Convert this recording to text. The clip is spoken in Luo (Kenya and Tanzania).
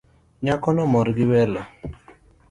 Nyako no omor gi welo